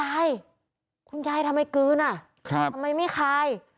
ยายคุณยายทำไมกลืนอ่ะทำไมไม่คาย